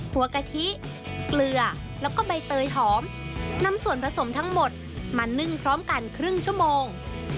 กะทิเกลือแล้วก็ใบเตยหอมนำส่วนผสมทั้งหมดมานึ่งพร้อมกันครึ่งชั่วโมง